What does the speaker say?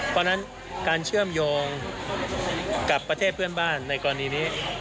เพราะฉะนั้นการเชื่อมโยงกับประเทศเพื่อนบ้านในกรณีนี้